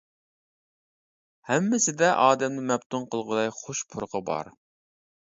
ھەممىسىدە ئادەمنى مەپتۇن قىلغۇدەك خۇش پۇرىقى بار.